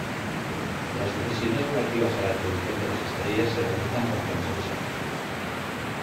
Las decisiones relativas a la atribución de las estrellas se realizan por consenso.